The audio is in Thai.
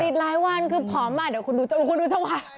ติดหลายวันคือผอมมาเดี๋ยวคุณดูจังหวะ